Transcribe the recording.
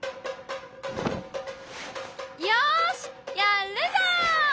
よしやっるぞ！